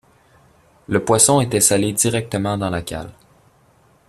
Le poisson était salé directement dans la cale.